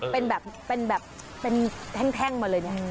เป็นแบบแพร่งมาเลย